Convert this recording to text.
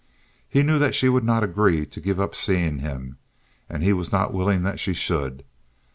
He knew that she would not agree to give up seeing him, and he was not willing that she should.